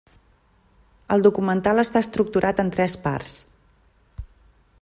El documental està estructurat en tres parts.